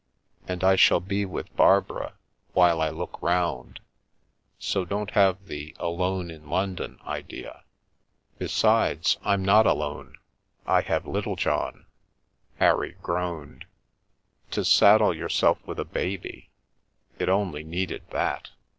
And I shall be with Barbara while I look round, so don't have the * alone in London ' idea. Besides, I'm not alone, I have Littlejohn !" Harry groaned. " To saddle yourself with a baby ! It only needed that!